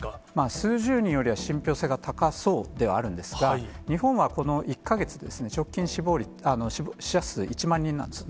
数十人よりは信憑性が高そうではあるんですが、日本はこの１か月で、直近死者数１万人なんですね。